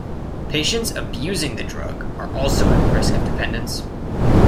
Patients abusing the drug are also at risk of dependence.